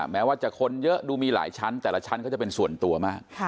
แม้ว่าจะคนเยอะดูมีหลายชั้นแต่ละชั้นก็จะเป็นส่วนตัวมาก